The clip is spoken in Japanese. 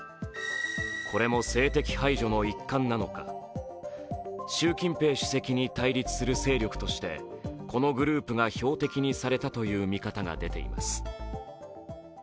これも政敵排除の一貫なのか、習近平主席に対立する勢力としてこのグループが標的にされたという見方が出ています。